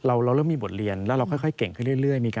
เราเริ่มมีบทเรียนแล้วเราค่อยเก่งขึ้นเรื่อย